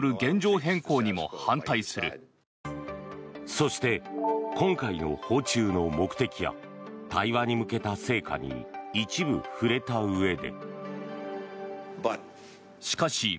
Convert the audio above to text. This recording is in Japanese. そして、今回の訪中の目的や対話に向けた成果に一部触れたうえで。